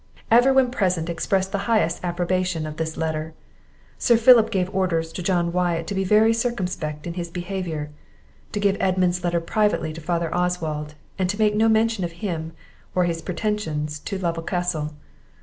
Every one present expressed the highest approbation of this letter. Sir Philip gave orders to John Wyatt to be very circumspect in his behaviour, to give Edmund's letter privately to father Oswald, and to make no mention of him, or his pretensions to Lovel Castle.